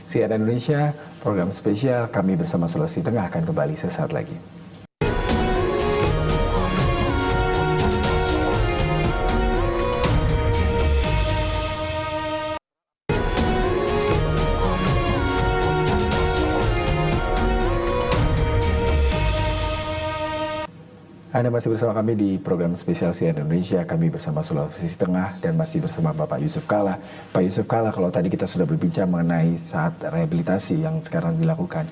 cn indonesia program spesial kami bersama sulawesi tengah akan kembali sesaat lagi